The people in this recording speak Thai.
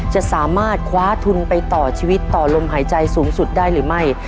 จะสามารถคว้าทุนไปต่อชีวิตต่อลมหายใจสูงสุดได้หรือไม่